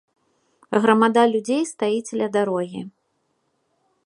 Грамада людзей стаіць ля дарогі.